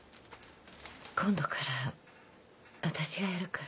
今度からわたしがやるから。